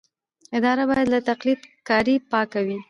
اداره باید له تقلب کارۍ پاکه وي.